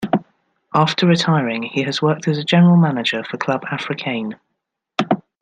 After retiring he has worked as a General Manager for Club Africain.